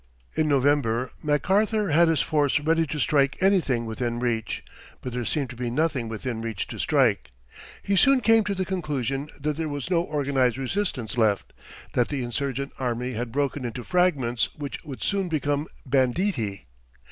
In November, MacArthur had his force ready to strike anything within reach, but there seemed to be nothing within reach to strike. He soon came to the conclusion that there was no organized resistance left, that the insurgent army had broken into fragments which would soon become banditti.